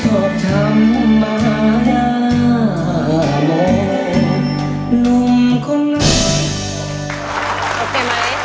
โอเคไหมโอเค